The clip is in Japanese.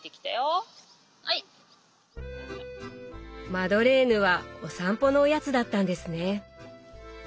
マドレーヌはお散歩のおやつだったんですね。